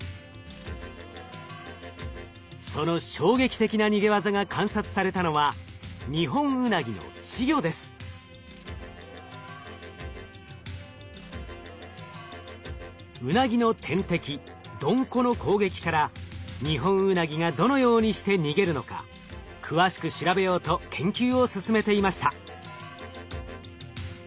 その衝撃的な逃げ技が観察されたのはウナギの天敵ドンコの攻撃からニホンウナギがどのようにして逃げるのか詳しく調べようと研究を進めていました。